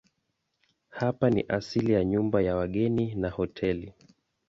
Hapa ni asili ya nyumba ya wageni na hoteli.